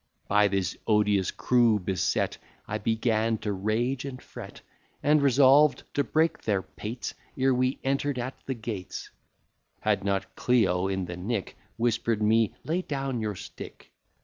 By this odious crew beset, I began to rage and fret, And resolved to break their pates, Ere we enter'd at the gates; Had not Clio in the nick Whisper'd me, "Lay down your stick."